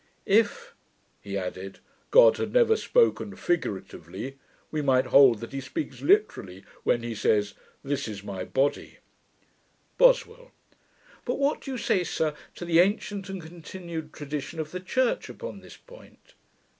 If,' he added, 'God had never spoken figuratively, we might hold that he speaks literally, when he says, "This is my body".' BOSWELL. 'But what do you say, sir, to the ancient and continued tradition of the Church upon this point?'